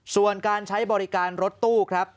ส่วนการใช้บริการรถตู้ครับ